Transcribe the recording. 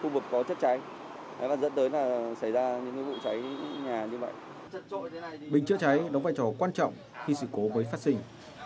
bình chữa cháy đóng vai trò quan trọng khi sự cố mới phát sinh